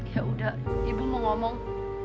ya udah ibu mau ngomong